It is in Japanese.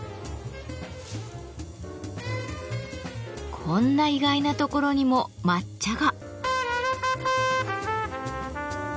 こんな意外なところにも抹茶が。